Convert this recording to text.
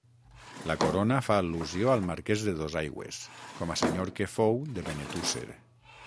La corona fa al·lusió al marqués de Dosaigües, com a senyor que fou de Benetússer.